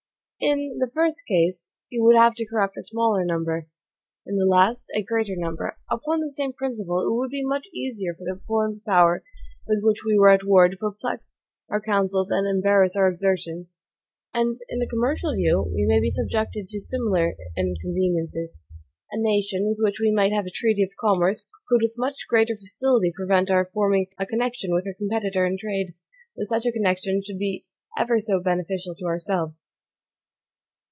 In the first case, he would have to corrupt a smaller number; in the last, a greater number. Upon the same principle, it would be much easier for a foreign power with which we were at war to perplex our councils and embarrass our exertions. And, in a commercial view, we may be subjected to similar inconveniences. A nation, with which we might have a treaty of commerce, could with much greater facility prevent our forming a connection with her competitor in trade, though such a connection should be ever so beneficial to ourselves.